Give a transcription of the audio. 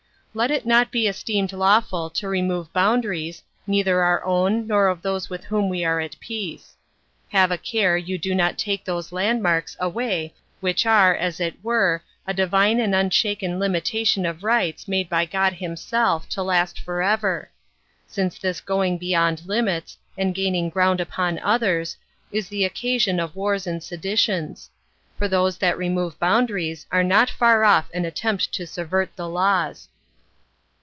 18. Let it not be esteemed lawful to remove boundaries, neither our own, nor of those with whom we are at peace. Have a care you do not take those landmarks away which are, as it were, a divine and unshaken limitation of rights made by God himself, to last for ever; since this going beyond limits, and gaining ground upon others, is the occasion of wars and seditions; for those that remove boundaries are not far off an attempt to subvert the laws.